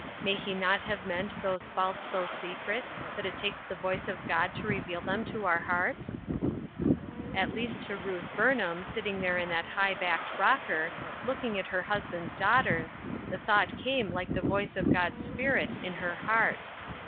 May he not have meant those faults so secret that it takes the voice of God to revea) them to our hearts ? At least to Ruth Burnham, sitting there in that high backed rocker, looking at her hus band's daughters, the thought came like the voice of God's Spirit in her heart.